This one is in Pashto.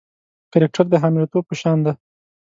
کرکټر د حامله توب په شان دی.